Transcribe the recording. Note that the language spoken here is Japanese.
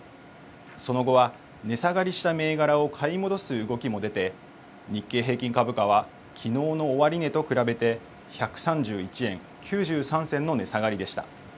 その後は値下がりした銘柄を買い戻す動きも出て、日経平均株価はきのうの終値と比べて１３１円９３銭の値下がりでした。